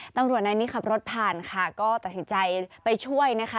ตำรวจนายนี้ขับรถผ่านค่ะก็ตัดสินใจไปช่วยนะคะ